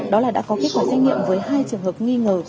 đó là đã có kết quả xét nghiệm với hai trường hợp nghi ngờ